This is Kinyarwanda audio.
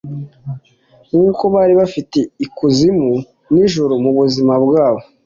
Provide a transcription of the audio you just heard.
Nkuko bari bafite ikuzimu nijuru mubuzima bwabo